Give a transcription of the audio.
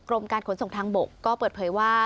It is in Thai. กรมการขนส่งทางบกก็เปิดเผยว่า